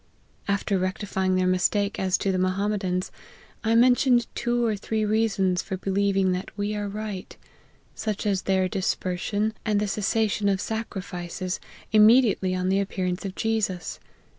After rectifying their mistake as to the Mohammedans, I mentioned two or three reasons for believing that we are right : such as their dispersion, and the ces sation of sacrifices, immediately on the appearance of Jesus.